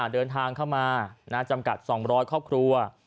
เดินทางเข้ามาจำกัด๒๐๐ครอบครัว